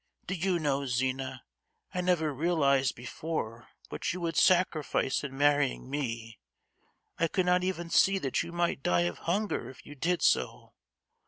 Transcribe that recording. Do you know, Zina, I never realized before what you would sacrifice in marrying me! I could not even see that you might die of hunger if you did so!